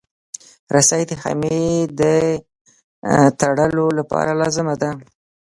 رسۍ د خېمې د تړلو لپاره لازمه ده.